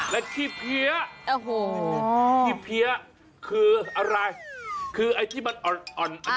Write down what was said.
และที่เพี้ยคืออะไรคือไอ้ที่มันอ่อน